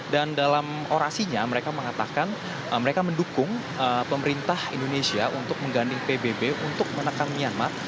dan dalam orasinya mereka mengatakan mereka mendukung pemerintah indonesia untuk mengganding pbb untuk menekan myanmar